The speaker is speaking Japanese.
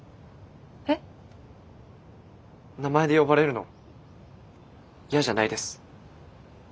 名前で呼ばれるの嫌じゃないです。